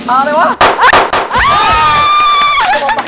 อะไร